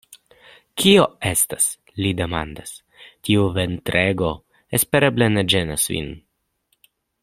Kio estas?li demandas. Tiu ventrego espereble ne ĝenas vin?